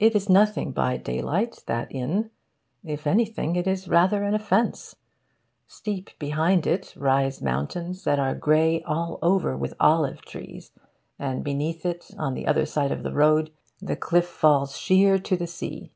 It is nothing by daylight, that inn. If anything, it is rather an offence. Steep behind it rise mountains that are grey all over with olive trees, and beneath it, on the other side of the road, the cliff falls sheer to the sea.